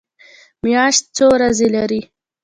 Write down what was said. میاشت څو ورځې لري؟